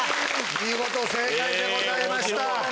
見事正解でございました。